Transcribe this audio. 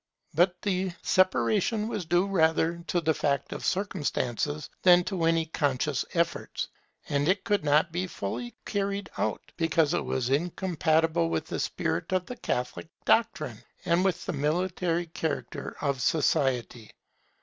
But the separation was due rather to the force of circumstances than to any conscious efforts; and it could not be fully carried out, because it was incompatible with the spirit of the Catholic doctrine and with the military character of society.